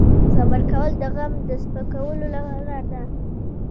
صبر کول د غم د سپکولو لاره ده.